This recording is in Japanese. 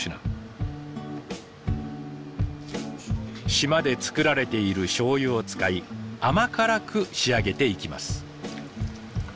島で造られているしょうゆを使い甘辛く仕上げていきます。